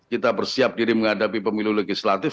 kita bersiap diri menghadapi pemilu legislatif